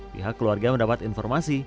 pihak keluarga mendapat informasi